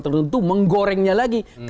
tentu menggorengnya lagi